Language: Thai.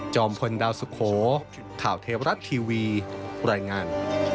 พลดาวสุโขข่าวเทวรัฐทีวีรายงาน